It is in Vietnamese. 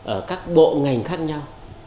ở các bộ ngành khác nhau